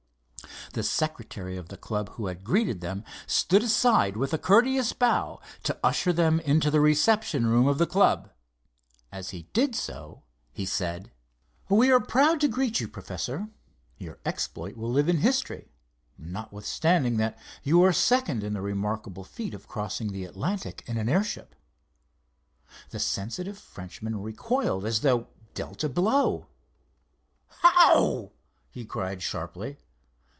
The secretary of the club who had greeted them stood aside with a courteous bow to usher them into the reception room of the club. As he did so he said: "We are proud to greet you, Professor. Your exploit will live in history, notwithstanding that you are second in the remarkable feat of crossing the Atlantic in an airship." The sensitive Frenchman recoiled as though dealt a blow. "How?" he cried sharply.